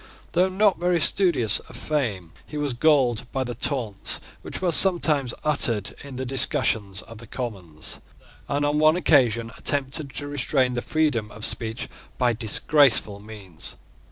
Though not very studious of fame, he was galled by the taunts which were sometimes uttered in the discussions of the Commons, and on one occasion attempted to restrain the freedom of speech by disgraceful means.